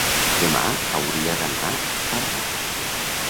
Demà hauria d'anar a Zarra.